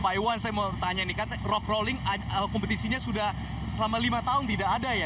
pak iwan saya mau tanya nih kan rock rolling kompetisinya sudah selama lima tahun tidak ada ya